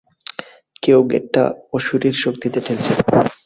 কেউ গেটটা অসুরের শক্তিতে ঠেলছিল!